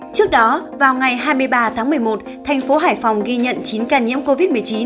trước đó vào ngày hai mươi ba tháng một mươi một thành phố hải phòng ghi nhận chín ca nhiễm covid một mươi chín